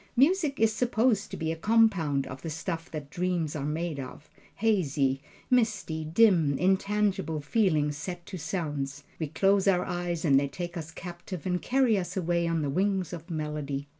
Music is supposed to be a compound of the stuff that dreams are made of hazy, misty, dim, intangible feelings set to sounds we close our eyes and they take us captive and carry us away on the wings of melody.